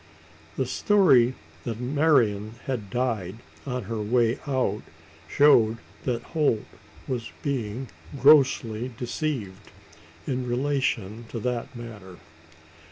The story that Marian had died on her way out, showed that Holt was being grossly deceived in relation to that matter.